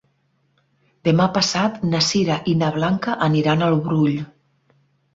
Demà passat na Sira i na Blanca aniran al Brull.